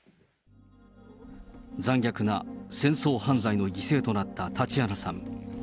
残虐な戦争犯罪の犠牲となったタチアナさん。